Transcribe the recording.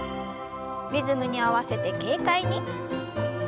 リズムに合わせて軽快に。